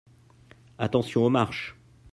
Attention aux marches.